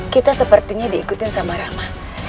kita sepertinya diikutin sama rahma